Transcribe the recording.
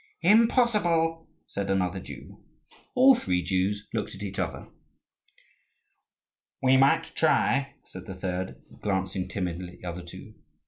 "Impossible," said another Jew. All three Jews looked at each other. "We might try," said the third, glancing timidly at the other two.